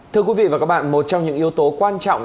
thưa quý vị và các bạn một trong những yếu tố quan trọng